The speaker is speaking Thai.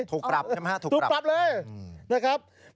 ถูกปรับใช่ไหมฮะถูกปรับเลยนะครับ